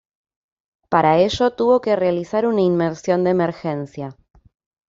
Para ello tuvo que realizar una inmersión de emergencia.